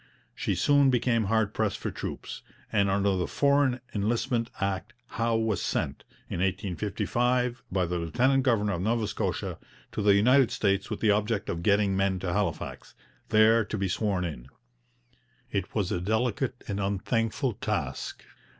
She soon became hard pressed for troops, and under the Foreign Enlistment Act Howe was sent, in 1855, by the lieutenant governor of Nova Scotia to the United States with the object of getting men to Halifax, there to be sworn in. It was a delicate and unthankful task.